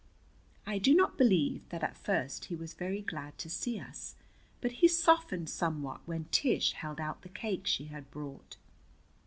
I do not believe that at first he was very glad to see us, but he softened somewhat when Tish held out the cake she had brought.